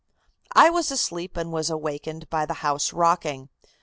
"I was asleep and was awakened by the house rocking.